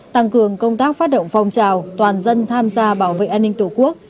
tăng cường công tác phát động phong trào toàn dân tham gia bảo vệ an ninh tổ quốc